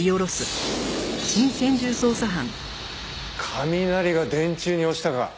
雷が電柱に落ちたか。